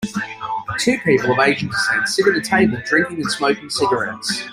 two people of asian descent sit at a table drinking and smoking cigarettes.